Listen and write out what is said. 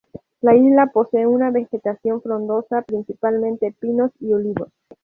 La isla posee una vegetación frondosa, principalmente pinos y olivos.